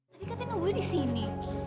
nanti katanya gue disini